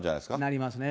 なりますね。